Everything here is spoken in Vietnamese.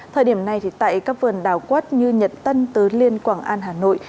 thời điểm này tại các vườn đào quất như nhật tân tứ liên quảng an hà nội